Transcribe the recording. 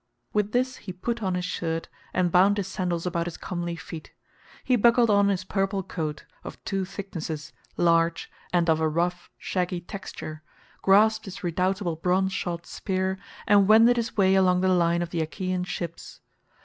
With this he put on his shirt, and bound his sandals about his comely feet. He buckled on his purple coat, of two thicknesses, large, and of a rough shaggy texture, grasped his redoubtable bronze shod spear, and wended his way along the line of the Achaean ships.